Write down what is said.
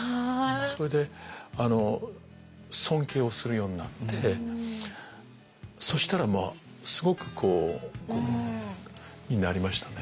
それで尊敬をするようになってそしたらすごくこうになりましたね。